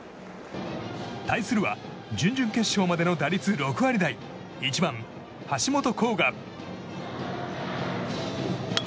対するは準々決勝までの打率６割台１番、橋本航河。